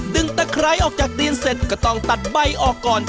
ตะไคร้ออกจากดินเสร็จก็ต้องตัดใบออกก่อน